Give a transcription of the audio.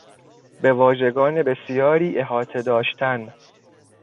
به واژگان بسیاری احاطه داشتن